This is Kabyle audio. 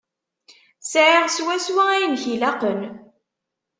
Sεiɣ swaswa ayen i k-ilaqen.